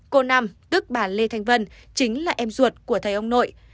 cô năm tức bà lê thanh vân chính là em ruột của thầy ông nội